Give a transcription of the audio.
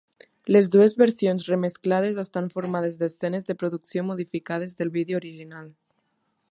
Les dues versions remesclades estan formades d'escenes de producció modificades del vídeo original.